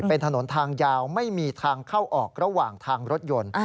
เป็นถนนทางยาวไม่มีทางเข้าออกระหว่างทางรถยนต์